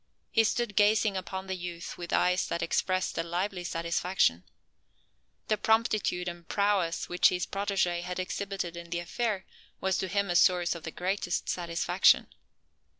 He stood gazing upon the youth with eyes that expressed a lively satisfaction. The promptitude and prowess which his protege had exhibited in the affair was to him a source of the greatest gratification.